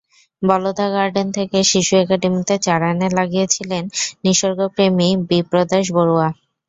বলধা garden থেকে শিশু একাডেমীতে চারা এনে লাগিয়েছিলেন নিসর্গপ্রেমী বিপ্রদাশ বড়ুয়া।